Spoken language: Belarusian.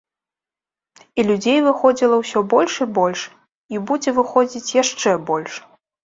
І людзей выходзіла ўсё больш і больш, і будзе выходзіць яшчэ больш.